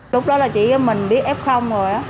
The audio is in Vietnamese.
lúc đó là chỉ mình biết f rồi